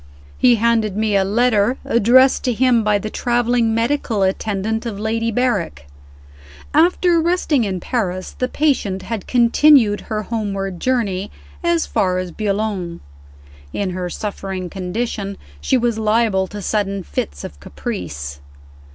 He handed me a letter addressed to him by the traveling medical attendant of Lady Berrick. After resting in Paris, the patient had continued her homeward journey as far as Boulogne. In her suffering condition, she was liable to sudden fits of caprice.